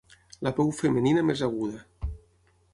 La veu femenina més aguda